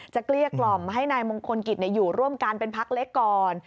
เกลี้ยกล่อมให้นายมงคลกิจอยู่ร่วมกันเป็นพักเล็กก่อน